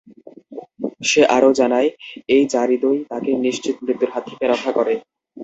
সে আরও জানায়, এই যারীদই তাকে নিশ্চিত মৃত্যুর হাত থেকে রক্ষা করে।